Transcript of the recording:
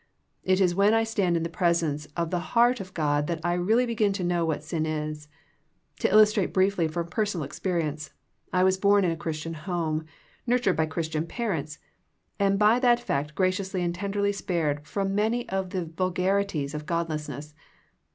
It is when I stand in the presence of the heart of God that I really begin to know what sin is. To illustrate briefly from personal experience. I was born in a Christian home, nurtured by Christian parents, and by that fact graciously and tenderly spared from many of the vulgarities of godlessness.